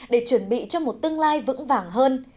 để chuẩn bị cho một tương lai vững vàng hơn